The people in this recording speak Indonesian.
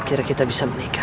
akhirnya kita bisa menikah